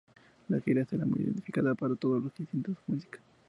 La gira será muy identificativa para todos los que sienten su música.